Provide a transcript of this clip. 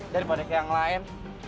daripada kayak yang lain